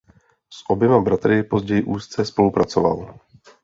S oběma bratry později úzce spolupracoval.